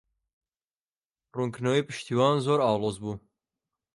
ڕوونکردنەوەی پشتیوان زۆر ئاڵۆز بوو.